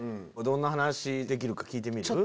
どんな話できるか聞いてみる？